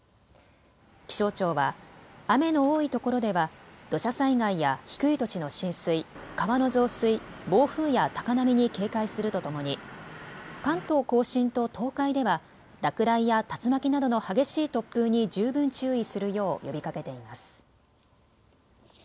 気象庁は雨の多いところでは土砂災害や低い土地の浸水、川の増水、暴風や高波に警戒するとともに関東甲信と東海では落雷や竜巻などの激しい突風に十分注意するよう呼びかけています。